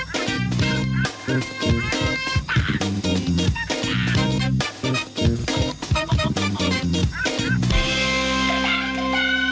โปรดติดตามตอนต่อไป